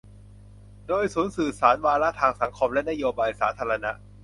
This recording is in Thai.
โดย ศูนย์สื่อสารวาระทางสังคมและนโยบายสาธารณะ